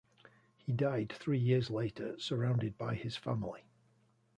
He died three years later surrounded by his family.